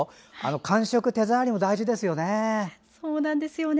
感触、手触りも大事ですよね。